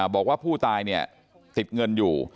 บอกว่าผู้ตายติดเงินอยู่